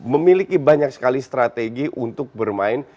memiliki banyak sekali strategi untuk bermain